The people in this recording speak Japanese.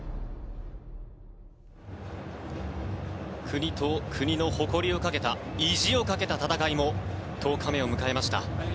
国と国の誇りをかけた意地をかけた戦いも１０日目を迎えました。